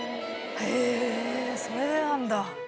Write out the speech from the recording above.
へぇそれでなんだ。